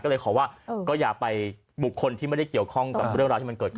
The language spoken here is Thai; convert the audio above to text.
ก็เลยขอว่าก็อย่าไปบุคคลที่ไม่ได้เกี่ยวข้องกับเรื่องราวที่มันเกิดขึ้น